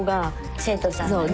生徒さんがね。